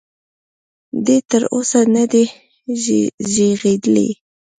دې تر اوسه ندی ږغېدلی.